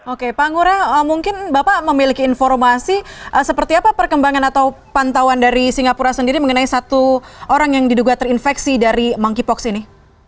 oke pak ngurah mungkin bapak memiliki informasi seperti apa perkembangan atau pantauan dari singapura sendiri mengenai satu orang yang diduga terinfeksi dari monkeypox ini